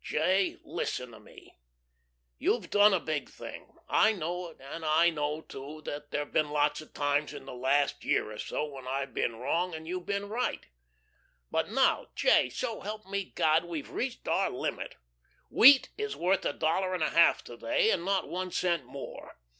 "J., listen to me. You've done a big thing. I know it, and I know, too, that there've been lots of times in the last year or so when I've been wrong and you've been right. But now, J., so help me God, we've reached our limit. Wheat is worth a dollar and a half to day, and not one cent more.